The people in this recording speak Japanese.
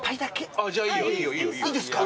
いいですか？